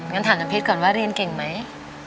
งั้นถามน้ำเพชรก่อนว่าเรียนเก่งไหม